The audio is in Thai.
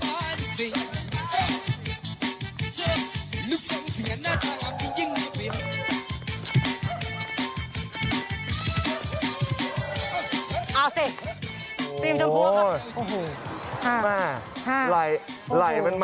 ไหล่มันมาแล้ว